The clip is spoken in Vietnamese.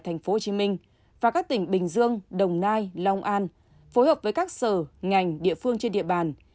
tp hcm và các tỉnh bình dương đồng nai long an phối hợp với các sở ngành địa phương trên địa bàn